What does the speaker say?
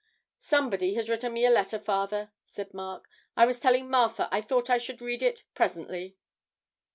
'Somebody has written me a letter, father,' said Mark; 'I was telling Martha I thought I should read it presently.'